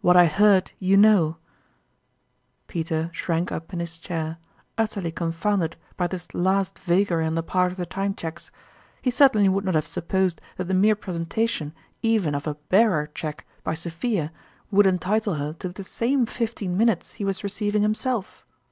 What I heard, you know !" Peter shrank up in his chair, utterly con founded by this last vagary on the part of the Time Cheques. He certainly would riot have supposed that the mere presentation even of a " bearer " cheque by Sophia would entitle her l)c Culminating <l)C(jtte. 135 to the same fifteen minutes he was receiving himself.